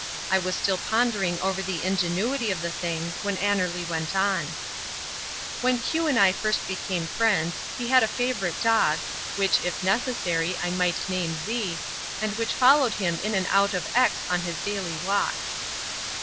I was still pondering over the ingenuity of the thing when Annerly went on: "When Q and I first became friends, he had a favourite dog, which, if necessary, I might name Z, and which followed him in and out of X on his daily walk."